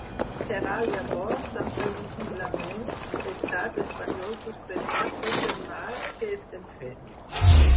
Serà llavors quan previsiblement l’estat espanyol suspendrà tot el marc que estem fent.